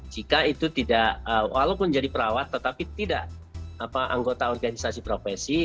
jika itu tidak walaupun jadi perawat tetapi tidak anggota organisasi profesi